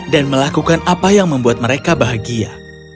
dan melakukan apa yang membuat mereka bahagia